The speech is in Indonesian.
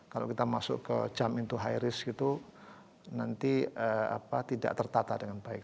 kalau kita masuk ke jump into high risk itu nanti tidak tertata dengan baik